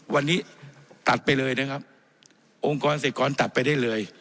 วันนี้ตัดไปเลยนะครับองค์กรเศรษฐกรตัดไปได้เลย